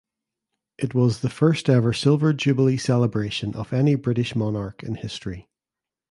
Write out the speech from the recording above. It was the first ever Silver Jubilee celebration of any British monarch in history.